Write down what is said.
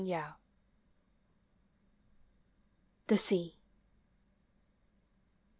THE SEA.